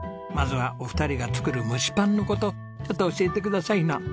まずはお二人が作る蒸しパンの事ちょっと教えてくださいな。